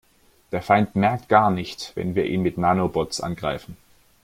Der Feind merkt gar nicht, wenn wir ihn mit Nanobots angreifen.